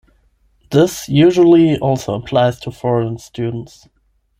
This usually also applies to foreign students.